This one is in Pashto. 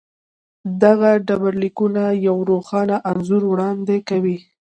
دغه ډبرلیکونه یو روښانه انځور وړاندې کوي.